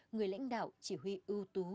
người lãnh đạo chỉ huy ưu tú